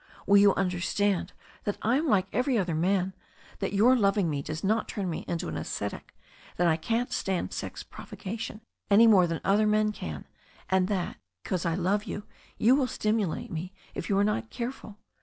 Will you imderstand that I am like every other man, that your loving me does not turn me into an ascetic, that I can't stand sex provocation any more than other men can, and that, because I love you, you will stimulate me if you are not careful?